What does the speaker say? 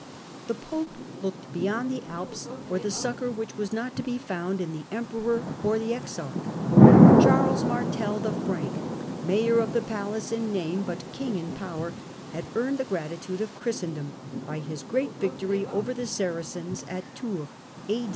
The pope looked beyond the Alps for the succour which was not to be found in the emperor or the exarch. Charles Martel the Frank, mayor of the palace in name, but king in power, had earned the gratitude of 1. The pope Christendom by his great victory over the S^g}^« Saracens at Tours A.